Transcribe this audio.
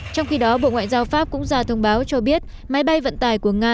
trong khi đó bộ ngoại giao pháp cũng ra thông báo cho biết máy bay vận tải của nga